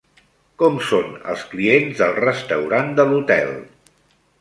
Com són els clients del restaurant de l'hotel?